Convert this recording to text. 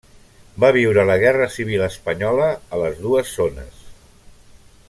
Va viure la guerra civil espanyola a les dues zones.